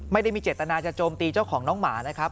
ไม่ได้มีเจตนาจะโจมตีเจ้าของน้องหมานะครับ